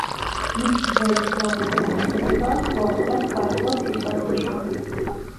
მისი ძველი სლავური სახელწოდებაა „სლოვო“, რაც ქართულად სიტყვას ნიშნავს.